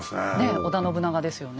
織田信長ですよね。